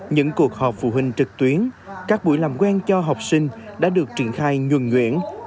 những cuộc họp phụ huynh trực tuyến các buổi làm quen cho học sinh đã được triển khai nhuồn nhuyễn